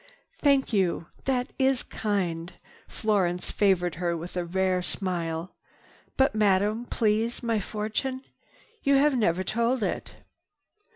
"Thank you. That is kind." Florence favored her with a rare smile. "But Madame, please, my fortune! You have never told it."